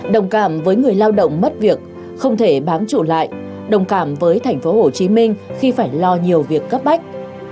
đồng cảm với người lao động mất việc không thể bám trụ lại đồng cảm với tp hcm khi phải lo nhiều việc cấp bách